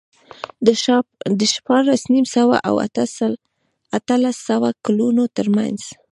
د شپاړس نیم سوه او اتلس سوه کلونو ترمنځ